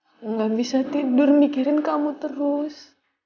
aku gak bisa tidur mikirin kamu terus